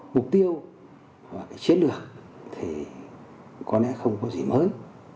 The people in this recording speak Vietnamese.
mục tiêu và cái chiến lược thì có lẽ không có gì mới